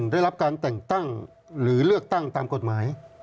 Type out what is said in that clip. ได้รับการแต่งตั้งหรือเลือกตั้งตามกฎหมาย